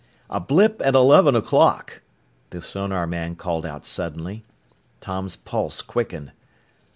"A blip at eleven o'clock!" the sonarman called out suddenly. Tom's pulse quickened.